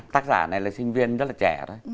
tác giả này là sinh viên rất là trẻ thôi